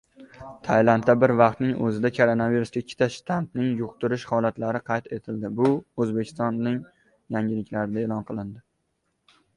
Tailandda bir vaqtning o‘zida koronavirusning ikki shtammini yuqtirish holatlari qayd etildi